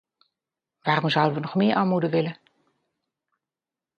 Waarom zouden we nog meer armoede willen?